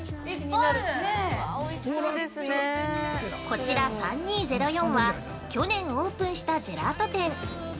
◆こちら「３２０４」は去年オープンしたジェラート店。